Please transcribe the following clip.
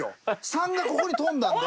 ３がここに飛んだんで。